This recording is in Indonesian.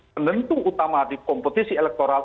penentu utama di kompetisi elektoral